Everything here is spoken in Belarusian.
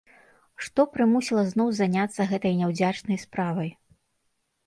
Што прымусіла зноў заняцца гэтай няўдзячнай справай?